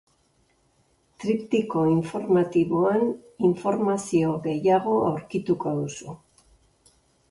Triptiko informatiboan informazio gehiago aurkituko duzu.